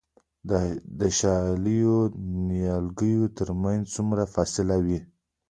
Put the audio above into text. د شالیو د نیالګیو ترمنځ څومره فاصله وي؟